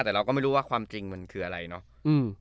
แต่เราก็ไม่รู้ว่าความจริงมันคืออะไรเนาะ